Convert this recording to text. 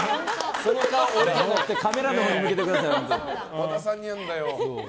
俺じゃなくてカメラのほうに向けてください。